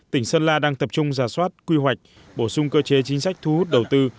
tỉnh sơn la đang tập trung giả soát quy hoạch bổ sung cơ chế chính sách thu hút đầu tư